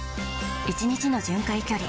１日の巡回距離